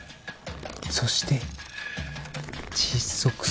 そして窒息する。